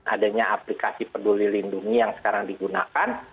adanya aplikasi peduli lindungi yang sekarang digunakan